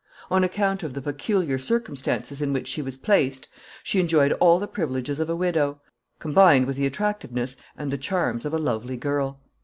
On account of the peculiar circumstances in which she was placed, she enjoyed all the privileges of a widow, combined with the attractiveness and the charms of a lovely girl.